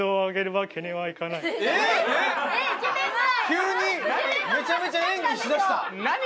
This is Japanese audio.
急にめちゃめちゃ演技しだした。